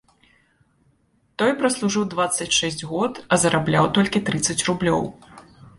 Той праслужыў дваццаць шэсць год, а зарабляў толькі трыццаць рублёў.